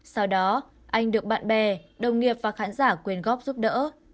sau đó anh được bạn bè đồng nghiệp và khán giả quyền góp giúp đỡ